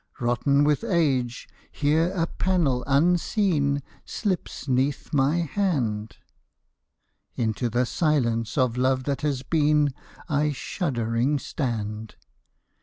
Rotten with age, here a panel unseen Slips 'neath my hand ; Into the silence of love that has been, I shuddering stand.